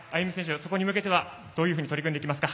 そこに向けてはどう取り組んでいきますか。